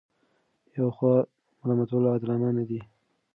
یوه خوا ملامتول عادلانه نه دي.